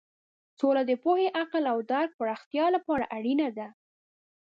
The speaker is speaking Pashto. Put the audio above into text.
سوله د پوهې، عقل او درک پراختیا لپاره اړینه ده.